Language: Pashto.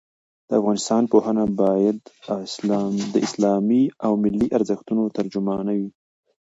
د افغانستان پوهنه باید د اسلامي او ملي ارزښتونو ترجمانه وي.